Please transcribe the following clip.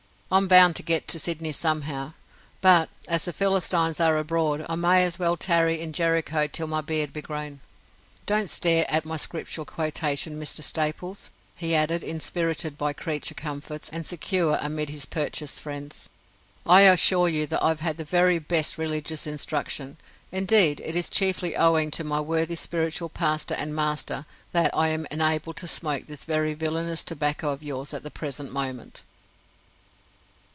"I'm bound to get to Sydney somehow; but, as the Philistines are abroad, I may as well tarry in Jericho till my beard be grown. Don't stare at my Scriptural quotation, Mr. Staples," he added, inspirited by creature comforts, and secure amid his purchased friends. "I assure you that I've had the very best religious instruction. Indeed, it is chiefly owing to my worthy spiritual pastor and master that I am enabled to smoke this very villainous tobacco of yours at the present moment!"